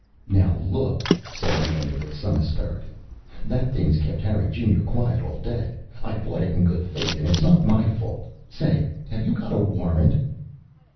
"Now look," said Melinda with some asperity. "That thing's kept Harry Junior quiet all day. I bought it in good faith, and it's not my fault say, have you got a warrant?"